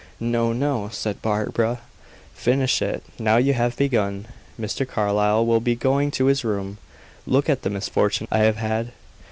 "No, no," said Barbara, "finish it, now you have begun. Mr. Carlyle will be going to his room. Look at the misfortune I have had.